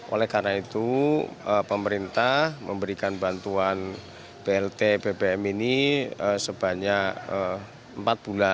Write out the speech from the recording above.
oleh karena itu pemerintah memberikan bantuan blt bbm ini sebanyak empat bulan